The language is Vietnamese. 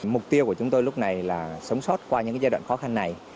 mục tiêu của chúng tôi lúc này là sống sót qua những giai đoạn khó khăn này